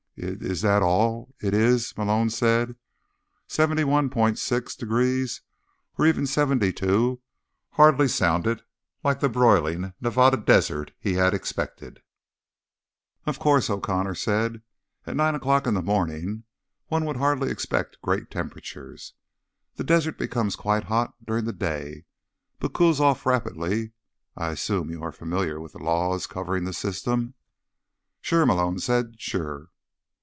"Is—is that all it is?" Malone said. Seventy one point six degrees, or even seventy two, hardly sounded like the broiling Nevada desert he'd expected. "Of course," O'Connor said. "At nine o'clock in the morning, one would hardly expect great temperatures. The desert becomes quite hot during the day, but cools off rapidly; I assume you are familiar with the laws covering the system." "Sure," Malone said. "S sure."